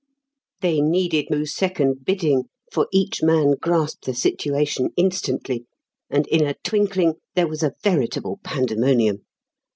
They needed no second bidding, for each man grasped the situation instantly, and in a twinkling there was a veritable pandemonium.